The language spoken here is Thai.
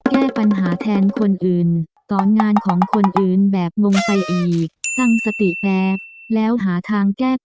แก้ปัญหาแทนคนอื่นต่องานของคนอื่นแบบงงไปอีกตั้งสติแบบแล้วหาทางแก้ไข